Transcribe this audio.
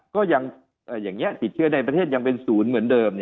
ก็ยังอย่างนี้ติดเชื้อในประเทศยังเป็นศูนย์เหมือนเดิม